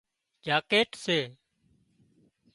جاڪيٽ سي